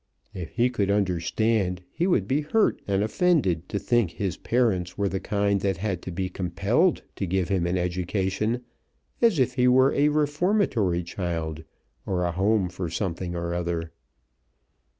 If he could understand he would be hurt and offended to think his parents were the kind that had to be compelled to give him an education, as if he were a reformatory child or a Home for something or other.